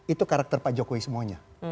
itu karakter pak jokowi semuanya